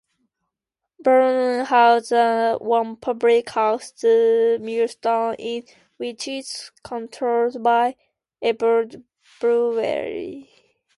Barnack has one public house, the Millstone Inn, which is controlled by Everards Brewery.